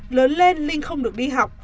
lớn lên linh không được đi học